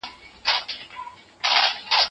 صبر ميوه ورکوي.